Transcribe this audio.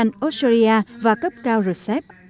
cấp cao australia và cấp cao rcep